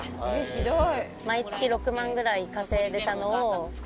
ひどい！